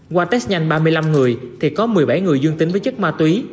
qua test nhanh ba mươi năm người thì có một mươi bảy người dương tính với chất ma túy